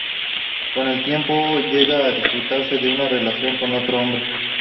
Con el tiempo llega a disfrutar de una relación con otro hombre.